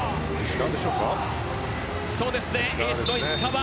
エースの石川。